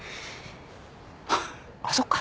あっそっか。